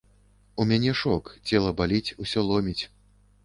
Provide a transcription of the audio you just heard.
У мяне шок, цела баліць, усё ломіць.